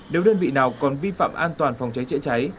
nếu đơn vị nào còn vi phạm an toàn phòng cháy chữa cháy